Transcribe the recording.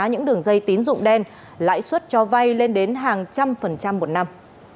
những đường dây tín dụng đen lãi suất cho vay lên đến hàng trăm phần trăm một năm